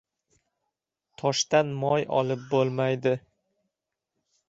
• Toshdan moy olib bo‘lmaydi.